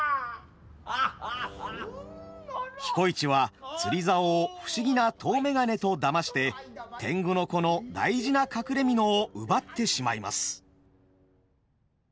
彦市は釣り竿を不思議な遠眼鏡とだまして天狗の子の大事な隠れ蓑を奪ってしまいます。